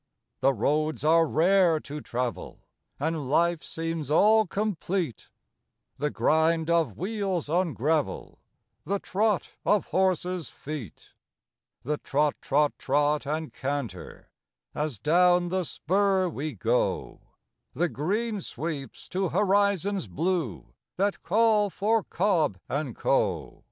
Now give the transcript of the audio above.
The roads are rare to travel, and life seems all complete; The grind of wheels on gravel, the trot of horses' feet, The trot, trot, trot and canter, as down the spur we go The green sweeps to horizons blue that call for Cobb and Co.